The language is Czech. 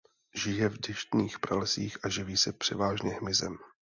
Žije v deštných pralesích a živí se převážně hmyzem.